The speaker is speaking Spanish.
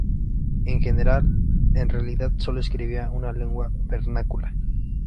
En general, en realidad solo escribía en lengua vernácula.